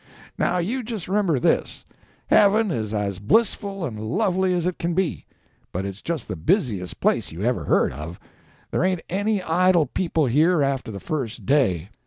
"Now you just remember this—heaven is as blissful and lovely as it can be; but it's just the busiest place you ever heard of. There ain't any idle people here after the first day.